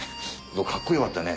かっこよかったね。